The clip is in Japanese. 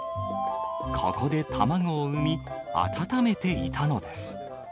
ここで卵を産み、温めていたのです。